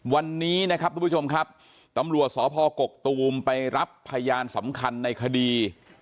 วันนี้นะครับทุกผู้ชมครับตำรวจสพกกตูมไปรับพยานสำคัญในคดี